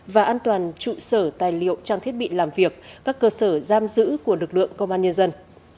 và an toàn trụ sở tài liệu trang thiết bị làm việc các cơ sở giam giữ của lực lượng công an nhân dân